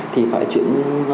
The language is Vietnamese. thì phải chuyển